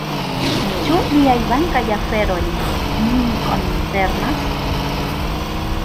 Ĉu liaj bankaj aferoj min koncernas?